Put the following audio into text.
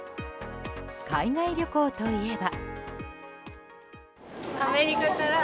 海外旅行といえば。